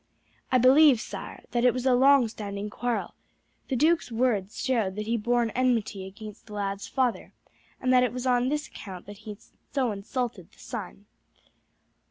"I believe, sire, that it was a long standing quarrel. The duke's words showed that he bore an enmity against the lad's father, and that it was on this account that he insulted the son."